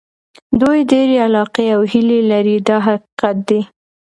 دوی ډېرې علاقې او هیلې لري دا حقیقت دی.